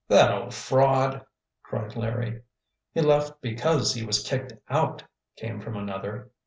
"That old fraud!" cried Larry. "He left because he was kicked out," came from another.